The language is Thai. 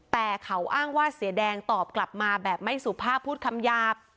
แต่เขาอ้างว่าเสียแดงตอบกลับมาแบบไม่สุภาพพูดคำหยาบ